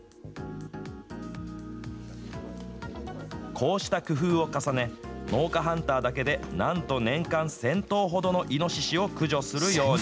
こうした工夫を重ね、農家ハンターだけでなんと年間１０００頭ほどのイノシシを駆除するように。